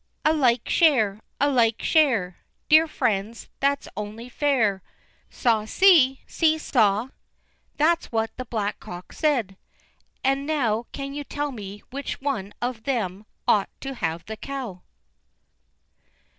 "A like share, a like share; Dear friends, that's only fair; Saw see, see saw!" That's what the Black cock said. And now can you tell me which of them ought to have the cow?